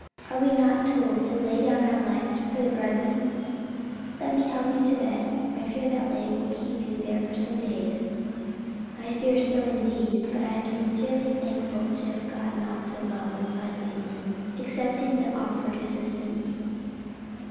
are we not told to lay down our lives for the brethren? Let me help you to bed; I fear that leg will keep you there for some days." "I fear so indeed, but am sincerely thankful to have gotten off so well," replied Leland, accepting the offered assistance.